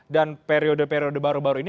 dan periode periode baru baru ini